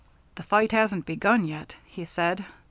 "The fight hasn't begun yet," he said.